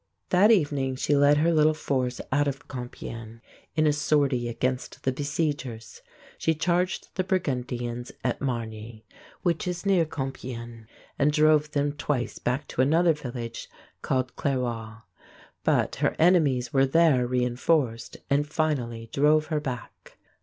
That evening she led her little force out of Compiègne in a sortie against the besiegers. She charged the Burgundians at Margny, (Marn yee) which is near Compiègne, and drove them twice back to another village called Clairoix (Klare wah). But her enemies were there reinforced and finally drove her back.